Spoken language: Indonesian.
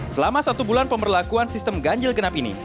selama satu bulan pemberlakuan sistem ganjil genap ini